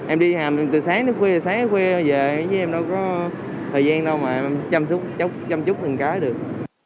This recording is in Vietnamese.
em đi hàng từ sáng tới khuya sáng tới khuya về chứ em đâu có thời gian đâu mà em chăm chút một cái được